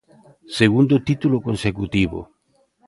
Segundo título consecutivo.